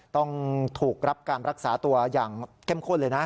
ต้องถูกรับการรักษาตัวอย่างเข้มข้นเลยนะ